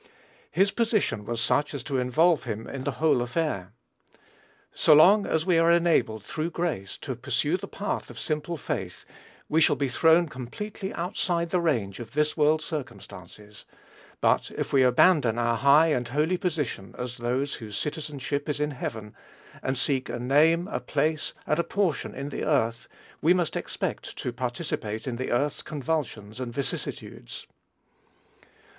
His position was such as to involve him in the whole affair. So long as we are enabled, through grace, to pursue the path of simple faith, we shall be thrown completely outside the range of this world's circumstances; but if we abandon our high and holy position as those whose "citizenship is in heaven," and seek a name, a place, and a portion in the earth, we must expect to participate in earth's convulsions and vicissitudes.